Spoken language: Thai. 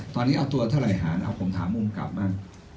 ตอนนี้เอาตัวเท่าไหร่หารเอาผมถามมุมกลับบ้าง